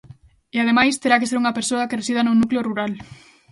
E, ademais, terá que ser unha persoa que resida nun núcleo rural.